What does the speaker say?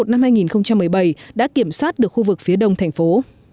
năm hai nghìn một mươi bảy đã kiểm soát được khu vực phía đông thành phố